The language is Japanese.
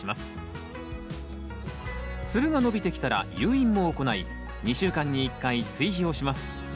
ツルが伸びてきたら誘引も行い２週間に１回追肥をします